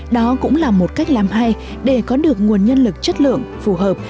đó cũng là một cách làm hay để có được nguồn nhân lực chất lượng phù hợp